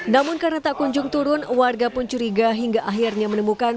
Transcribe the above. namun karena tak kunjung turun warga pun curiga hingga akhirnya menemukan